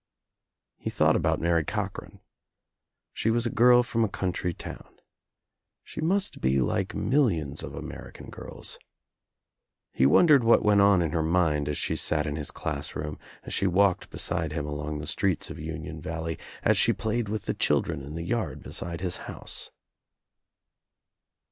He thought about Mary Cochran. She was a girl from a country town. She must be like millions of American girls. He wondered what went on in her mind as she sat In his class room, as she walked be side him along the streets of Union Valley, as she played with the children in the yard beside his house.